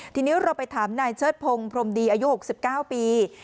ทีนี้เราไปถามนายเชิดพงศ์พรมดีอายุ๖๙ปี